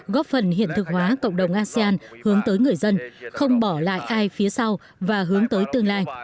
góp phần hiện thực hóa cộng đồng asean hướng tới người dân không bỏ lại ai phía sau và hướng tới tương lai